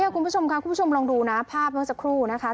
คุณผู้ชมค่ะคุณผู้ชมลองดูนะภาพเมื่อสักครู่นะคะ